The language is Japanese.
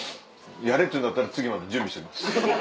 やれっつうんだったら次までに準備しておきます。